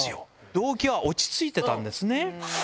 どうきは落ち着いてたんですね。